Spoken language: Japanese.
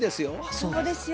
そうですよ。